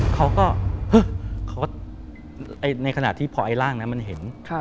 เขาก็